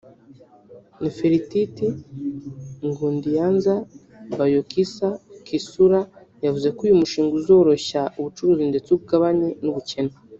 Néfertiti Ngudianza Bayokisa Kisula yavuze ko uyu mushinga uzoroshya ubucuruzi ndetse ugabanye n’ubukene